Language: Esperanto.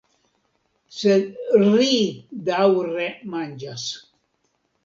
Sed ri daŭre manĝas.